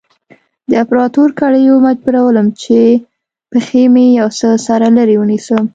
د اپراتو کړيو مجبورولم چې پښې مې يو څه سره لرې ونيسم.